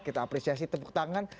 kita apresiasi tepuk tangan